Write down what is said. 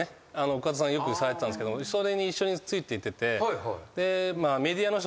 桑田さんがよくされていたんですけどもそれに一緒について行ってて。